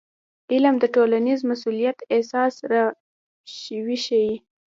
علم د ټولنیز مسؤلیت احساس راویښوي.